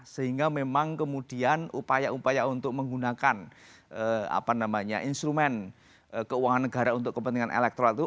sehingga memang kemudian upaya upaya untuk menggunakan instrumen keuangan negara untuk kepentingan elektoral itu